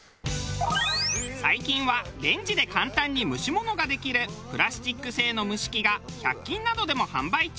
最近はレンジで簡単に蒸し物ができるプラスチック製の蒸し器が１００均などでも販売中。